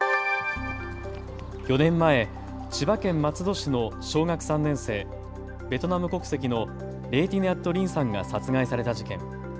４年前、千葉県松戸市の小学３年生、ベトナム国籍のレェ・ティ・ニャット・リンさんが殺害された事件。